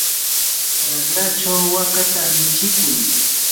raqrachaw wakata michikuy.